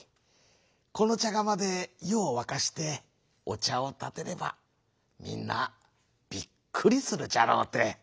このちゃがまでゆをわかしておちゃをたてればみんなびっくりするじゃろうて。